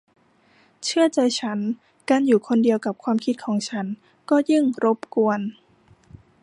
เชื่อใจฉันการอยู่คนเดียวกับความคิดของฉันก็ยิ่งรบกวน